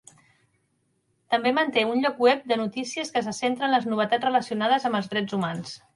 També manté un lloc web de notícies que se centra en les novetats relacionades amb els drets humans.